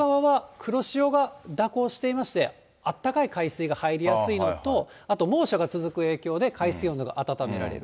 太平洋側は黒潮が蛇行していまして、あったかい海水が入りやすいのと、あと猛暑が続く影響で、海水温度が温められる。